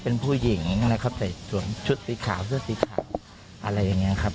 เป็นผู้หญิงนะครับใส่สวมชุดสีขาวเสื้อสีขาวอะไรอย่างนี้ครับ